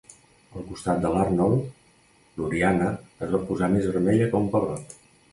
Al costat de l'Arnold, l'Oriana es va posar més vermella que un pebrot.